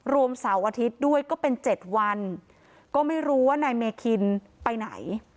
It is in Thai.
เสาร์อาทิตย์ด้วยก็เป็น๗วันก็ไม่รู้ว่านายเมคินไปไหน